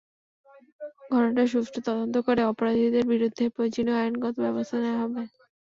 ঘটনার সুষ্ঠু তদন্ত করে অপরাধীদের বিরুদ্ধে প্রয়োজনীয় আইনগত ব্যবস্থা নেওয়া হবে।